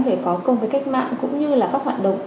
người có công với cách mạng cũng như là các hoạt động